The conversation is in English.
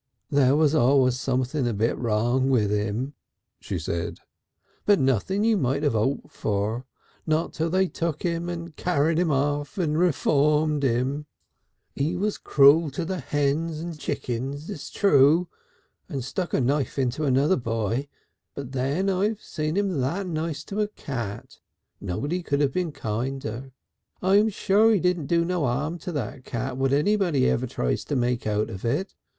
"There was always something a bit wrong with him," she said, "but nothing you mightn't have hoped for, not till they took him and carried him off and reformed him.... "He was cruel to the hens and chickings, it's true, and stuck a knife into another boy, but then I've seen him that nice to a cat, nobody could have been kinder. I'm sure he didn't do no 'arm to that cat whatever anyone tries to make out of it.